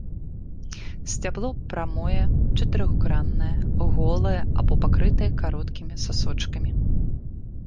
Сцябло прамое, чатырохграннае, голае або пакрытае кароткімі сасочкамі.